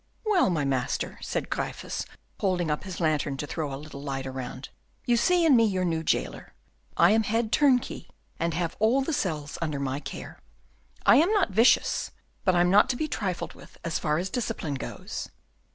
"Well, my master," said Gryphus, holding up his lantern to throw a little light around, "you see in me your new jailer. I am head turnkey, and have all the cells under my care. I am not vicious, but I'm not to be trifled with, as far as discipline goes."